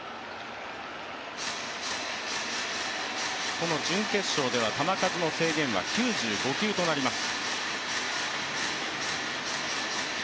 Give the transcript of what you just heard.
この準決勝では球数の制限は９５球となります。